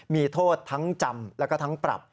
มีโทษทั้งจำแล้วก็ทั้งปรับ